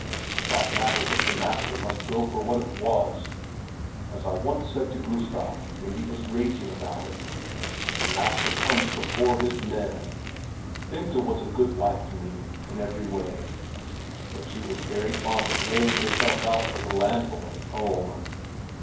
That matter with the master must go for what it was—as I once said to Gustav when he was raging about it; the master comes before his men! Bengta was a good wife to me in every way, but she too was very fond of laying herself out for the landlord at home.